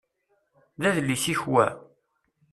D adlis-ik wa?